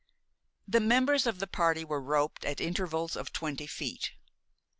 The members of the party were roped at intervals of twenty feet.